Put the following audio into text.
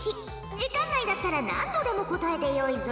時間内だったら何度でも答えてよいぞ。